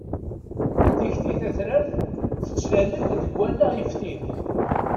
Tikti tatrart tettlal-d deg wallaɣ yeftin.